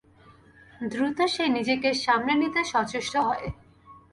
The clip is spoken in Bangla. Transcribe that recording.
দ্রুত সে নিজেকে সামলে নিতে সচেষ্ট হয়।